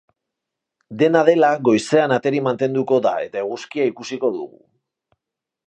Dena dela, goizean ateri mantenduko da eta eguzkia ikusiko dugu.